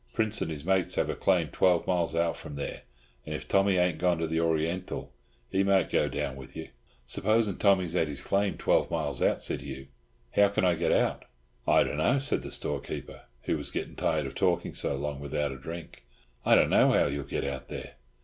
Prince and his mates have a claim twelve miles out from there, and if Tommy ain't gone to the Oriental, he might go down with you." "Supposing Tommy's at his claim, twelve miles out," said Hugh, "how can I get out?" "I dunno," said the storekeeper, who was getting tired of talking so long without a drink. "I dunno how you'll get out there.